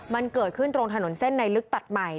มันเกิดขึ้นตรงถนนเส้นในลึกตัดใหม่